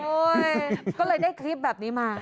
ก็เลยได้คลิปแบบนี้มา